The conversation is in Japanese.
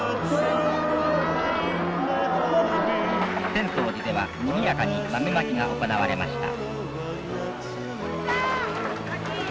浅草寺ではにぎやかに豆まきが行われました。